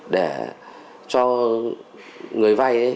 để cho người vay